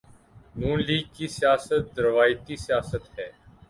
ن لیگ کی سیاست روایتی سیاست ہے۔